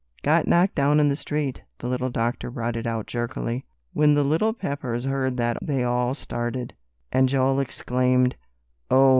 "Got knocked down in the street," the little doctor brought it out jerkily. When the little Peppers heard that they all started, and Joel exclaimed, "Oh!"